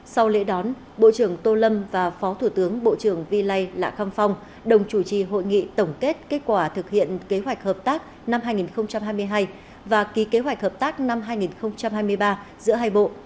sau lễ đón bộ trưởng tô lâm và phó thủ tướng bộ trưởng vi lai lạ khăm phong đồng chủ trì hội nghị tổng kết kết quả thực hiện kế hoạch hợp tác năm hai nghìn hai mươi hai và ký kế hoạch hợp tác năm hai nghìn hai mươi ba giữa hai bộ